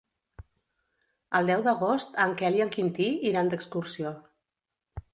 El deu d'agost en Quel i en Quintí iran d'excursió.